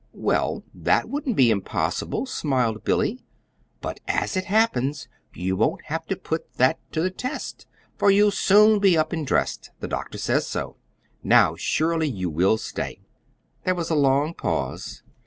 "Well, THAT wouldn't be impossible," smiled Billy; "but, as it happens you won't have to put that to the test, for you'll soon be up and dressed. The doctor says so. Now surely you will stay." There was a long pause.